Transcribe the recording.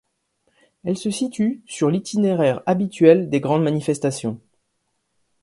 Elle se situe sur l'itinéraire habituel des grandes manifestations.